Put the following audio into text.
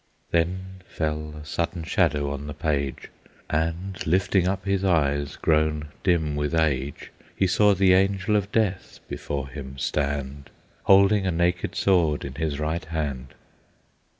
Then fell a sudden shadow on the page And, lifting up his eyes, grown dim with age, He saw the Angel of Death before him stand, Holding a naked sword in his right hand.